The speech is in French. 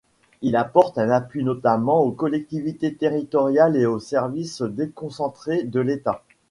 Il apporte un appui notamment aux collectivités territoriales et aux services déconcentrés de l'État.